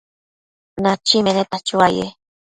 Nachi meneta chuaye